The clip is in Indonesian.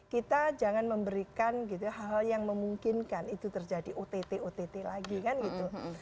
kita jangan memberikan gitu hal hal yang memungkinkan itu terjadi ott ott lagi kan gitu